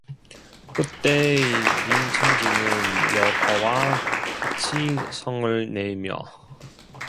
그때 김첨지는 열화와 같이 성을 내며